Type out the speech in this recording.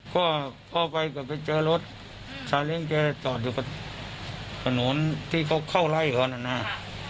มีบาดแผลตรงไหนอะไรอย่างนี้